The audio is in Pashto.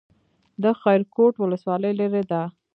د خیرکوټ ولسوالۍ لیرې ده